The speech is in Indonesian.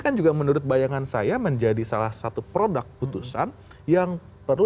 yang menurut bayangan saya memang perlu